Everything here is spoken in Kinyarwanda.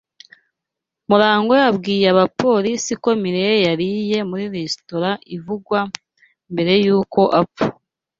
MuragwA yabwiye abapolisi ko Mirelle yariye muri resitora ivugwa mbere yuko apfa.